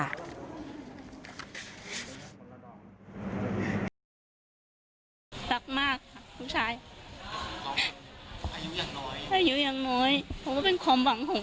หรือว่าอะไรหมวกกันออกค่ะแกบอกว่าอย่างนี้